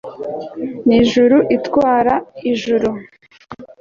nijuru itwara ijuru